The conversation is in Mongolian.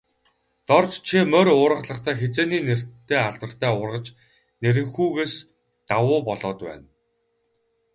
Дорж чи морь уургалахдаа, хэзээний нэртэй алдартай уургач Нэрэнхүүгээс давуу болоод байна.